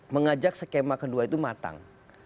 mengajak skema kedua itu matang